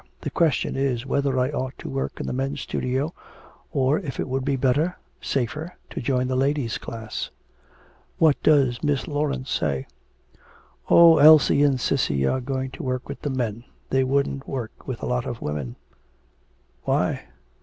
The question is whether I ought to work in the men's studio, or if it would be better, safer, to join the ladies' class.' 'What does Miss Laurence say?' 'Oh, Elsie and Cissy are going to work with the men. They wouldn't work with a lot of women.' 'Why?'